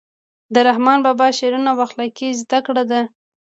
د رحمان بابا شعرونه اخلاقي زده کړه ده.